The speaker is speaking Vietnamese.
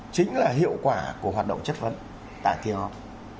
chính là hiệu quả của hoạt động chất vấn tại kỳ họp